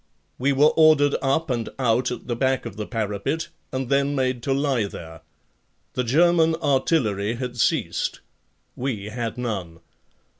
We were ordered up and out at the back of the parapet and then made to lie there. The German artillery had ceased. We had none.